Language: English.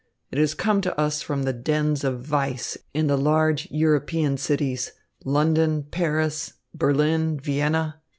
It has come to us from the dens of vice in the large European cities, London, Paris, Berlin, Vienna.